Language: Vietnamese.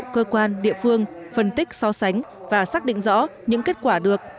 cơ quan địa phương phân tích so sánh và xác định rõ những kết quả được